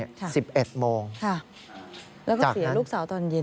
แล้วก็เสียลูกสาวตอนเย็น